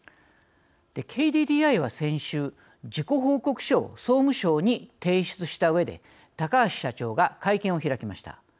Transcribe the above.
ＫＤＤＩは先週、事故報告書を総務省に提出したうえで高橋社長が会見を開きました。